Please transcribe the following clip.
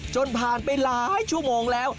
จนผ่านไปหลายชั่วโมงแล้ว